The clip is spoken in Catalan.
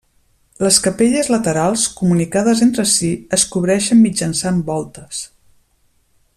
Les capelles laterals, comunicades entre si, es cobreixen mitjançant voltes.